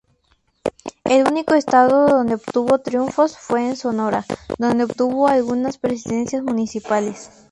El único estado donde obtuvo triunfos fue en Sonora, donde obtuvo algunas Presidencias Municipales.